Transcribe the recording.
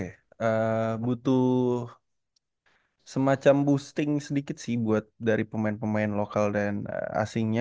oke butuh semacam boosting sedikit sih buat dari pemain pemain lokal dan asingnya